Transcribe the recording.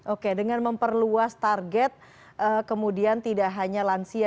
oke dengan memperluas target kemudian tidak hanya lansia